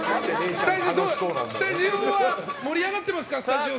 スタジオは盛り上がってますか？